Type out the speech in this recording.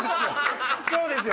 そうですよ